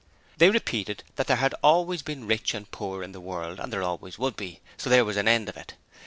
They repeated that there had 'always been rich and poor in the world and there always would be, so there was an end of it'.